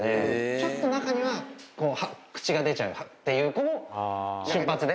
ちょっと中には口が出ちゃうっていう子も、瞬発で。